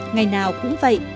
ngày nào cũng vậy